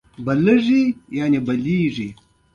ځمکه د مقناطیس په شان کار کوي.